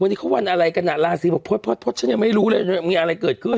วันนี้เขาวันอะไรกันอ่ะราศีบอกพจน์ฉันยังไม่รู้เลยมีอะไรเกิดขึ้น